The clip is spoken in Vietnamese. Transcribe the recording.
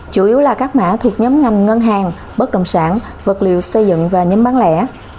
chủ yếu là các mã thuộc nhóm ngành ngân hàng bất đồng sản vật liệu xây dựng và nhóm bán lẻ